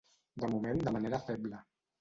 De moment de manera feble.